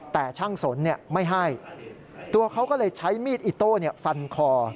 แต่ช่างสนไม่ให้ตัวเขาก็เลยใช้มีดอิโต้ฟันคอ